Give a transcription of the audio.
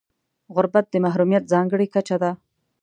غربت د محرومیت ځانګړې کچه ده.